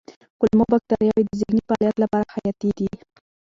کولمو بکتریاوې د ذهني فعالیت لپاره حیاتي دي.